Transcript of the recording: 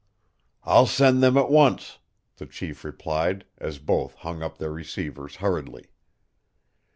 "I'll send them at once," the chief replied, as both hung up their receivers hurriedly.